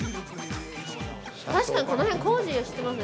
◆確かに、この辺、工事してますね。